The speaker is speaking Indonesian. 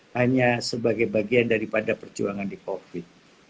hanya sebagai bagian daripada perjuangan di covid